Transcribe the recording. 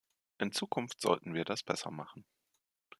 In Zukunft sollten wir das besser machen.